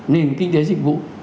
nền kinh tế dịch vụ